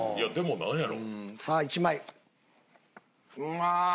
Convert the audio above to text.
何やろ？